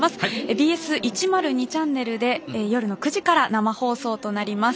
ＢＳ１０２チャンネルで夜の９時から生放送となります。